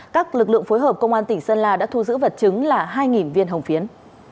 các lực lượng phối hợp công an tỉnh sơn la đã thu giữ vật chứng là hai viên hồng phiến